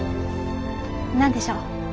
何でしょう？